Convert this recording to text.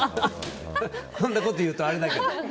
こんなこと言うとあれだけど。